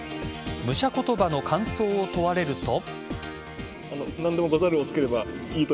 武者言葉の感想を問われると。